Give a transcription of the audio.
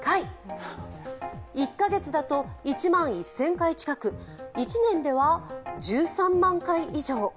１カ月だと１万１０００回近く１年では、１３万回以上。